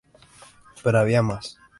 Pero había más.